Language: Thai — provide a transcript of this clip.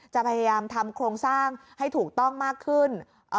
พยายามทำโครงสร้างให้ถูกต้องมากขึ้น